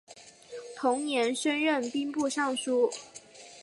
同年升任兵部尚书。